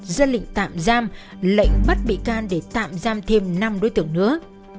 dân lịnh tạm giam lệnh bắt bị can để tạm giam thêm năm đối tượng nữa